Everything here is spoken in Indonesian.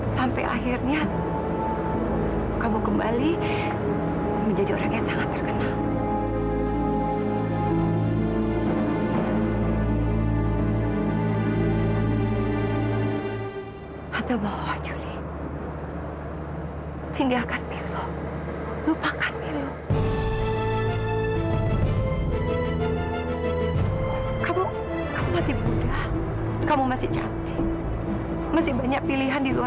sampai jumpa di video selanjutnya